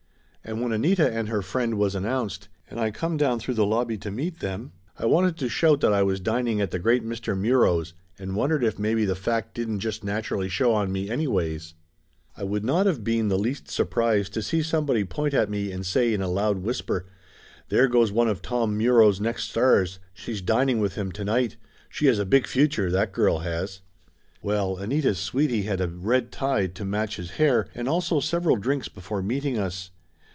And when Anita and her friend was announced, and I come down through the lobby to meet them, I wanted to shout that I was dining at the great Mr. Muro's and wondered if maybe the fact didn't just naturally show on me, anyways. I would not of been the least surprised to see somebody point at me and say in a loud whisper, "There goes one of Tom Muro's next stars; she's dining with him to night. She has a big future, that girl has!" Well, Anita's sweetie had a red tie to match his hair, and also several drinks before meeting us.